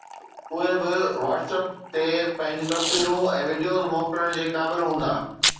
اهي به WhatsApp تي پنهنجون تصويرون ۽ وڊيوز موڪلڻ جي قابل هوندا